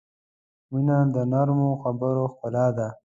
• مینه د نرمو خبرو ښکلا ده.